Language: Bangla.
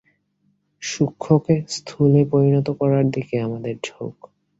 সূক্ষ্মকে স্থূলে পরিণত করার দিকে আমাদের ঝোঁক।